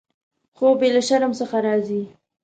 خوب یې له شرم څخه راځي.